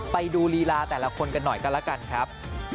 ไปดูลีลาแต่ละคนกันหน่อยกันแล้วกันครับ